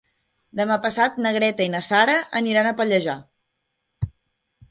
Demà passat na Greta i na Sara aniran a Pallejà.